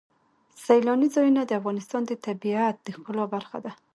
سیلانی ځایونه د افغانستان د طبیعت د ښکلا برخه ده.